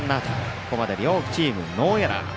ここまで両チーム、ノーエラー。